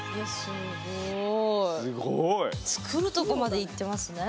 すごい！作るとこまでいってますね。